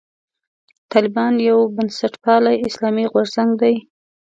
طالبان یو بنسټپالی اسلامي غورځنګ دی.